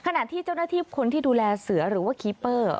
ขณะที่เจ้าหน้าที่คนที่ดูแลเสือหรือว่าคีเปอร์